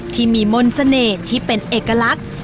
ที่มีมนต์เสน่ห์ที่เป็นเอกลักษณ์